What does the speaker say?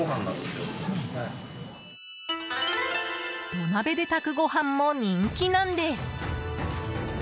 土鍋で炊くご飯も人気なんです。